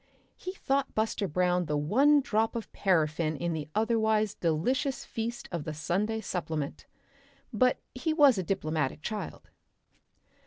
He thought Buster Brown the one drop of paraffin in the otherwise delicious feast of the Sunday Supplement. But he was a diplomatic child.